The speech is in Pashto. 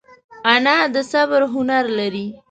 انا د صبر هنر لري